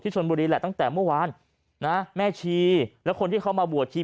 ชนบุรีแหละตั้งแต่เมื่อวานนะแม่ชีแล้วคนที่เขามาบวชชี